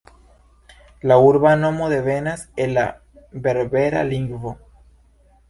La urba nomo devenas el la berbera lingvo.